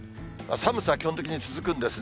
寒さ、基本的に続くんですね。